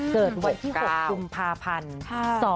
เกิดวันที่๖กุมภาพันธ์